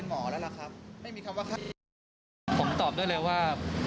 ไม่ดีนะครับ